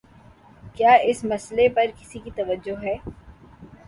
کیا اس مسئلے پر کسی کی توجہ ہے؟